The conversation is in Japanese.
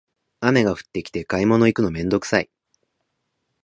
雨が降ってきて買い物行くのめんどくさい